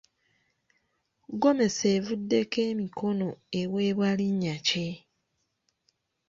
Ggomesi evuddeko emikono eweebwa linnya ki?